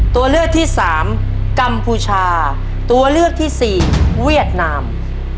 ตัวเลือกที่สามกัมพูชาตัวเลือกที่สี่เวียดนาม